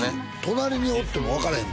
隣におっても分からへん